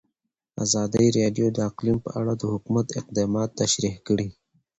ازادي راډیو د اقلیم په اړه د حکومت اقدامات تشریح کړي.